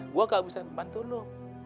gua gak bisa bantu lo